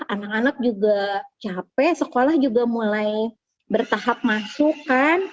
anak anak juga capek sekolah juga mulai bertahap masuk kan